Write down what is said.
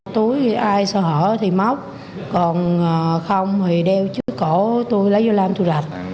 tối ai sợ thì móc còn không thì đeo trước cổ tôi lấy vô làm tôi lạch